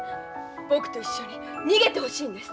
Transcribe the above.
僕と一緒に逃げてほしいんです。